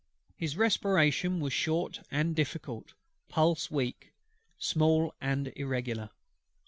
His respiration was short and difficult; pulse weak, small, and irregular.